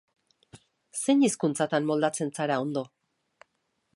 Zein hizkuntzatan moldatzen zara ondo?